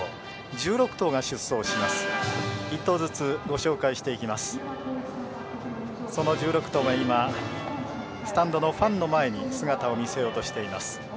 １６頭が今、スタンドの前に姿を見せようとしています。